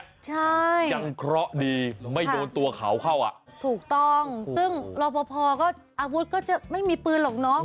ใช่ยังเคราะห์ดีไม่โดนตัวเขาเข้าอ่ะถูกต้องซึ่งรอพอพอก็อาวุธก็จะไม่มีปืนหรอกน้อง